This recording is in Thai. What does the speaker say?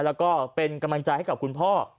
แล้วก็เป็นกำลังใจให้กับคุณพ่อ